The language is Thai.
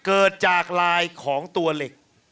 เกิดจากลายของตัวเหล็ก